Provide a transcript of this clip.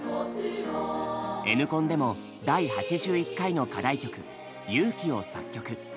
Ｎコンでも第８１回の課題曲「ゆうき」を作曲。